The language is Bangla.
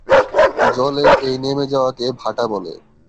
জলের এই নেমে যাওয়াকে ভাটা বলে।